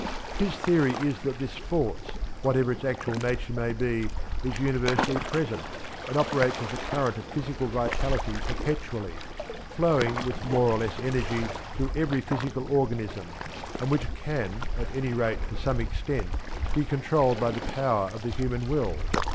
His theory is that this force, whatever its actual nature may be, is universally present, and operates as a current of physical vitality perpetually, flowing with more or less energy through every physical organism, and which can, at any rate to some extent, be controlled by the power of the human will.